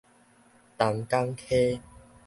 東港溪